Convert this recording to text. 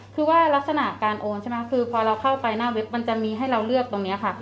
คือว่ารักษณะการโอนใช่ไหมคือพอเราเข้าไปหน้าเว็บมันจะมีให้เราเลือกตรงนี้ค่ะ